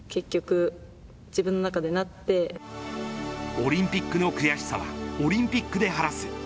オリンピックの悔しさはオリンピックで晴らす。